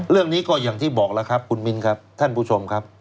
เรื่องนี้ก็อย่างที่บอกแล้วครับคุณมินครับท่านผู้ชมครับ